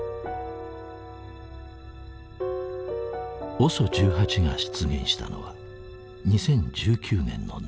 ＯＳＯ１８が出現したのは２０１９年の夏。